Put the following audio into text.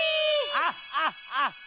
アッハッハッハ！